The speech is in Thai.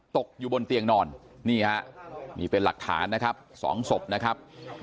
ตกอยู่บนเตียงนอนนี่ฮะนี่เป็นหลักฐานนะครับสองศพนะครับ